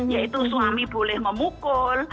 yaitu suami boleh memukul